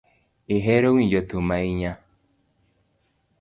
Ihero winjo thum ahinya.